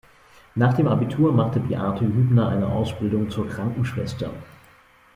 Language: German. Nach dem Abitur machte Beate Hübner eine Ausbildung zur Krankenschwester.